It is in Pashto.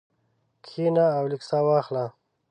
کښېنه او لږه ساه واخله.